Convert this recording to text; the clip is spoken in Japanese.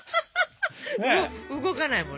動かないもんね。